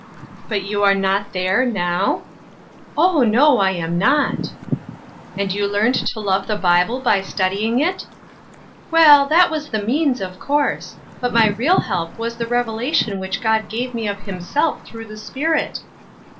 " But you are not there, now ?"" Oh, no, I am not." "^ And you learned to love the Bible by study ing it ?" "Well, that was the means, of course; but my real help was the revelation which God gave me of himself through the Spirit."